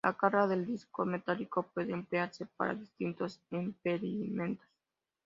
La carga del disco metálico puede emplearse para distintos experimentos.